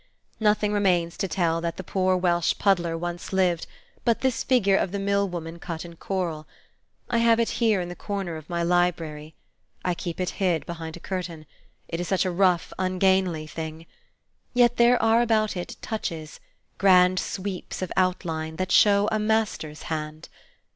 Nothing remains to tell that the poor Welsh puddler once lived, but this figure of the mill woman cut in korl. I have it here in a corner of my library. I keep it hid behind a curtain, it is such a rough, ungainly thing. Yet there are about it touches, grand sweeps of outline, that show a master's hand.